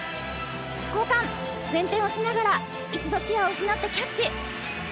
交換、前転をしながら、一度視野を失ってキャッチ。